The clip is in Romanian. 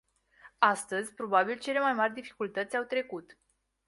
Astăzi, probabil cele mai mari dificultăți au trecut.